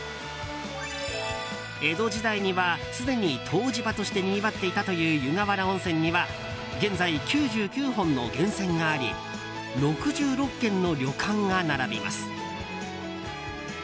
江戸時代にはすでに湯治場としてにぎわっていたという湯河原温泉には現在９９本の源泉があり６６軒の旅館が並びます。